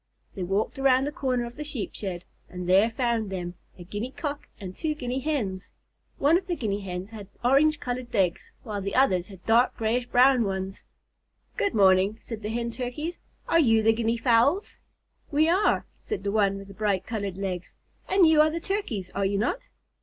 They walked around the corner of the Sheep shed, and there found them, a Guinea Cock and two Guinea Hens. One of the Guinea Hens had orange colored legs, while the others had dark grayish brown ones. "Good morning," said the Hen Turkeys. "Are you the Guinea Fowls?" "We are," said the one with the bright colored legs, "and you are the Turkeys, are you not?"